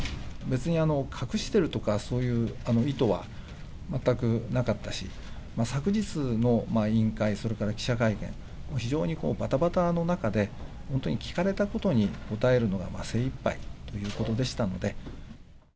別に隠してるとか、そういう意図は全くなかったし、昨日の委員会、それから記者会見、非常にばたばたの中で、本当に聞かれたことに答えるのが精いっぱいということでしたので。